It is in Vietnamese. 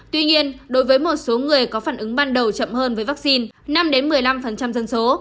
tuy nhiên đối với một số người có phản ứng ban đầu chậm hơn với vaccine năm một mươi năm dân số